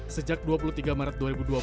sejak dua puluh tiga maret dua ribu dua puluh